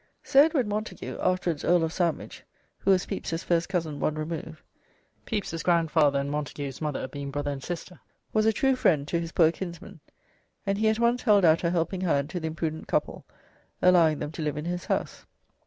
Sir Edward Montage (afterwards Earl of Sandwich), who was Pepys's first cousin one remove (Pepys's grandfather and Montage's mother being brother and sister), was a true friend to his poor kinsman, and he at once held out a helping hand to the imprudent couple, allowing them to live in his house.